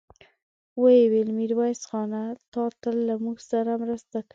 ويې ويل: ميرويس خانه! تا تل له موږ سره مرسته کړې.